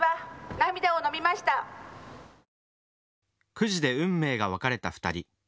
くじで運命が分かれた２人。